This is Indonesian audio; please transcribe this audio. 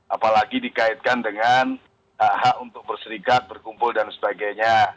apalagi dikaitkan dengan hak hak untuk berserikat berkumpul dan sebagainya